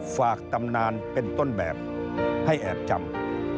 ตำนานเป็นต้นแบบให้แอบจำ